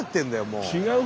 もう。